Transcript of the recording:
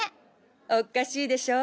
おっかしいでしょ！